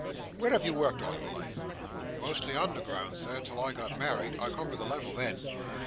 "Where have you worked all your life?" "Mostly underground, Sir, "till I got married. I come to the level then.